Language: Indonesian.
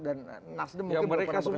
dan nasdem mungkin belum pernah bekerja sama